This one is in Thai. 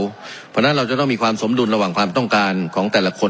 เพราะฉะนั้นเราจะต้องมีความสมดุลระหว่างความต้องการของแต่ละคน